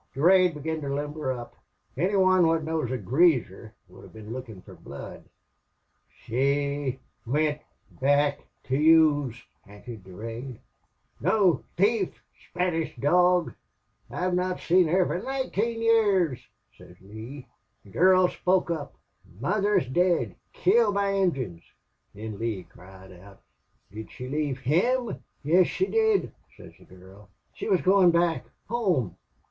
"Durade began to limber up. Any man what knows a greaser would have been lookin' fer blood. 'She wint back to yez!' panted Durade. "'No thief Spanish dog! I have not seen her for nineteen years,' sez Lee. "The gurl spoke up: 'Mother is dead! Killed by Injuns!' "Thin Lee cried out, 'Did she leave HIM?' "'Yes, she did,' sez the gurl. 'She wuz goin' back. Home!